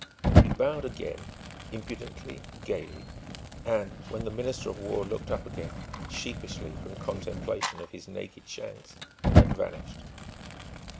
He bowed again, impudently, gaily, and when the Minister of War looked up again sheepishly from contemplation of his naked shanks had vanished.